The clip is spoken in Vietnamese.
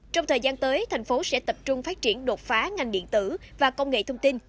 trong thời gian tới thành phố sẽ tập trung phát triển đột phá ngành điện tử và công nghệ thông tin